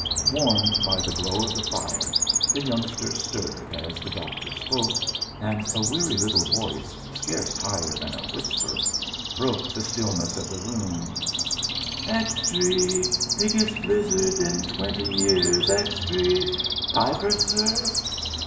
Warmed by the glow of the fire, the youngster stirred as the doctor spoke, and a weary little voice, scarce higher than a whisper, broke the stillness of the room: "Extree! Bigges' blizzid in twenty years. Extree! Piper, sir?"